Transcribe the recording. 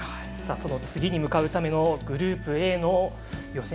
次に向かうためのグループＡの予選。